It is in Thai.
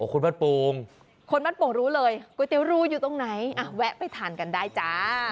คนบ้านปูงคนบ้านปูงรู้เลยก๋วยเตี๊ยวรู่ียนะ